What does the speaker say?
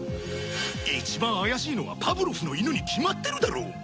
一番怪しいのはパブロフの犬に決まってるだろ！